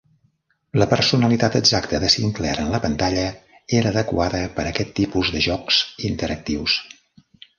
La personalitat exacta de Sinclair en la pantalla era adequada per a aquest tipus de jocs interactius.